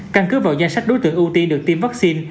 căn cứ vào danh sách đối tượng ưu tiên được tiêm vaccine